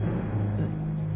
えっ？